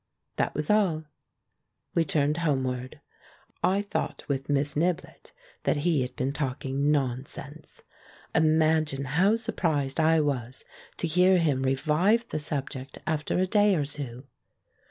That was all. We turned homeward. I thought with Miss Niblett that he had been talk ing nonsense. Imagine how surprised I was to hear him revive the subject after a day or two.